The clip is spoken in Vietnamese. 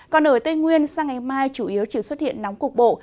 còn ở tây nguyên sang ngày mai chủ yếu chỉ xuất hiện nóng cục bộ